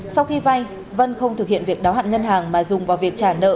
sau khi vay vân không thực hiện việc đáo hạn ngân hàng mà dùng vào việc trả nợ